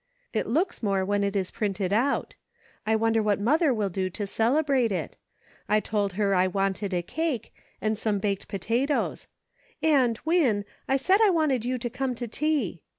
" It looks more when it is printed out. I wonder what mother will do to celebrate it ? I told her I wanted a cake, and some baked pota toes ; and, Win, I said I wanted you to come to tea.